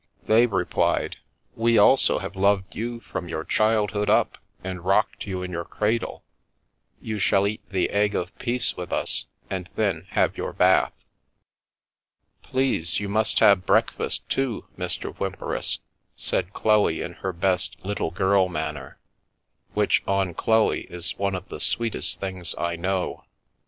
They replied :" We also have loved you from your childhood up and rocked you in your cradle. You shall eat the egg of peace with us and then have your bath." " Please, you must have breakfast, too, Mr. Whym peris," said Chloe, in her best " little girl " manner, which, on Chloe, is one of the sweetest things I know.